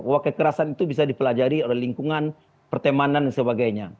bahwa kekerasan itu bisa dipelajari oleh lingkungan pertemanan dan sebagainya